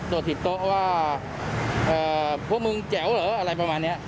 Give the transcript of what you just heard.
ผิดโต๊ะว่าพวกมึงแจ๋วเหรออะไรประมาณนี้